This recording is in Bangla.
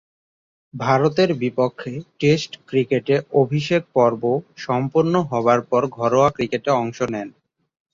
ভারতের বিপক্ষে টেস্ট ক্রিকেটে অভিষেক পর্ব সম্পন্ন হবার পর ঘরোয়া ক্রিকেটে অংশ নেন।